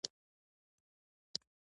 په تېرو څو میاشتو کې